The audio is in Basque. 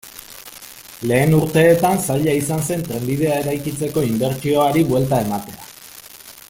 Lehen urteetan zaila izan zen trenbidea eraikitzeko inbertsioari buelta ematea.